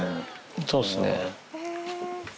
そうっすね。